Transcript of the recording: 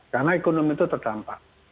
karena ekonomi itu terdampak